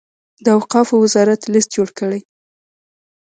د اوقافو وزارت لست جوړ کړي.